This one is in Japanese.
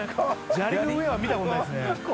砂利の上は見たことないですね。